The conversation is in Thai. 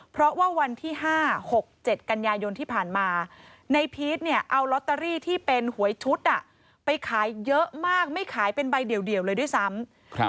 เพราะว่าวันที่๕๖๗กันยายนที่ผ่านมาในพีชเนี่ยเอาลอตเตอรี่ที่เป็นหวยชุดไปขายเยอะมากไม่ขายเป็นใบเดียวเลยด้วยซ้ำ